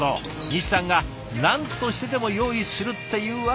西さんが何としてでも用意するって言うわけだ。